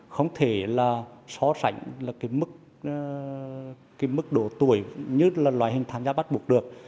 không thể là so sánh là cái mức độ tuổi nhất là loại hình tham gia bắt buộc được